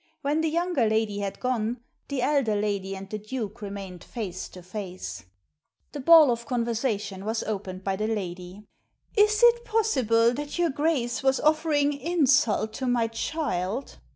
When the younger lady had gone the elder lady and the Duke remained face to face. Digitized by VjOOQIC THE DUKE 313 The ball of conversation was opened by the lady. " Is it possible that your Grace was offering insult to my child?"